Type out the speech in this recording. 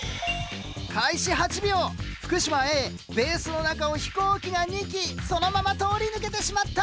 開始８秒福島Ａベースの中を飛行機が２機そのまま通り抜けてしまった。